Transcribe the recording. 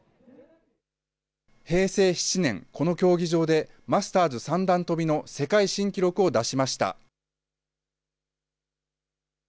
平成７年、この競技場でマスターズ三段跳びの世界新記録を出しました。